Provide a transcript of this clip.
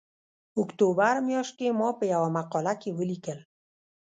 اکتوبر میاشت کې ما په یوه مقاله کې ولیکل